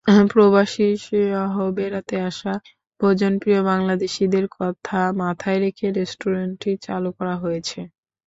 প্রবাসীসহ বেড়াতে আসা ভোজনপ্রিয় বাংলাদেশিদের কথা মাথায় রেখে রেস্টুরেন্টটি চালু করা হয়েছে।